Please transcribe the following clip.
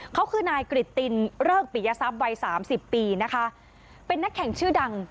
เขาคือนายกริตตินเริกปิยทรัพย์วัยสามสิบปีนะคะเป็นนักแข่งชื่อดัง